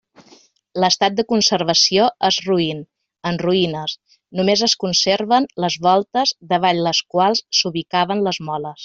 L'estat de conservació és roín, en ruïnes; només es conserven les voltes davall les quals s'ubicaven les moles.